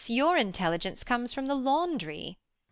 Your intelligence comes from the laundry.